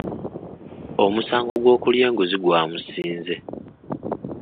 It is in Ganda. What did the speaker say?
Omusango gw'okulya enguzi gwamusinze.